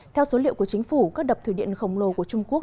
theo số liệu của chính phủ các đập thủy điện khổng lồ của trung quốc